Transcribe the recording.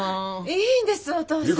いいんですお義父さん。